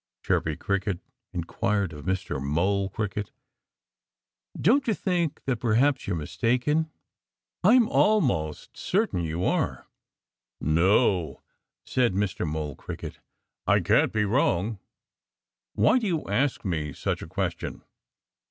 Chirpy Cricket inquired of Mr. Mole Cricket. "Don't you think that perhaps you are mistaken? I'm almost certain you are." "No!" said Mr. Mole Cricket. "I can't be wrong. Why do you ask me such a question?"